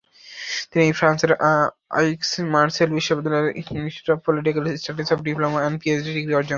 তিনি ফ্রান্সের আইক্স-মার্সেইল বিশ্ববিদ্যালয়ের ইনস্টিটিউট অব পলিটিকাল স্টাডিজ থেকে ডিপ্লোমা ও পিএইচডি ডিগ্রি অর্জন করেন।